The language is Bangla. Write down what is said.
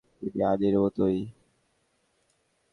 ঠিক আনির মতোই।